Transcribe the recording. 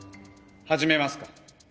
「始めますか」